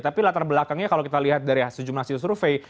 tapi latar belakangnya kalau kita lihat dari sejumlah hasil survei